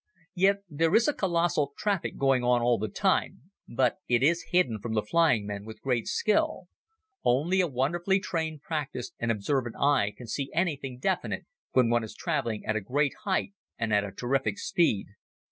Yet there is a colossal traffic going on all the time, but it is hidden from the flying men with great skill. Only a wonderfully trained practised and observant eye can see anything definite when one is traveling at a great height and at a terrific speed.